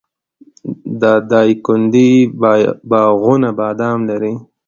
د دایکنډي باغونه بادام لري.